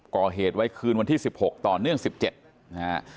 ก่อเหตุไว้คืนวันที่๑๖ต่อเนื่อง๑๗นะฮะ